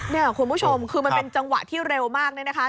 เนี่ยคุณผู้ชมคือมันเป็นจังหวะที่เร็วมากเนี่ยนะคะ